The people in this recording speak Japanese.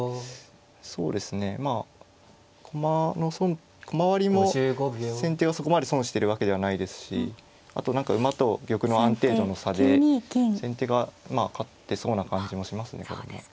そうですねまあ駒の損駒割りも先手はそこまで損してるわけではないですしあと馬と玉の安定度の差で先手がまあ勝ってそうな感じもしますねこれも。